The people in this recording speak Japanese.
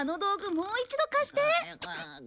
もう一度貸して。